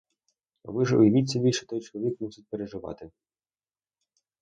А ви ж уявіть собі, що той чоловік мусить переживати.